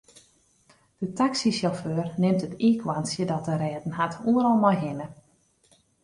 De taksysjauffeur nimt it iikhoarntsje dat er rêden hat oeral mei hinne.